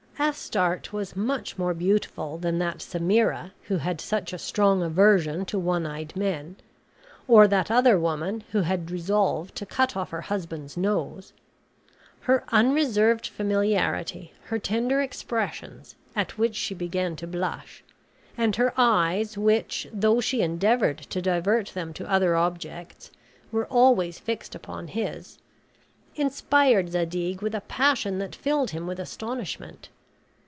Astarte was much more beautiful than that Semira who had such a strong aversion to one eyed men, or that other woman who had resolved to cut off her husband's nose. Her unreserved familiarity, her tender expressions, at which she began to blush; and her eyes, which, though she endeavored to divert them to other objects, were always fixed upon his, inspired Zadig with a passion that filled him with astonishment.